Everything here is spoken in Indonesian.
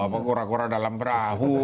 pura pura dalam perahu